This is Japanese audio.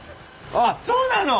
あっそうなの！